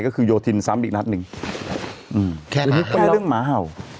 ก็คือยทิ้นซ้ำอีกรัฐนึงแค่เรื่องหมาเห่า